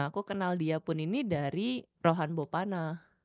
nah aku kenal dia pun ini dari rohan bopana